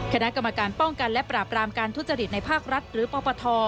คณะกรรมการป้องกันและปราบรามการทุจริตในภาครัฐหรือปปท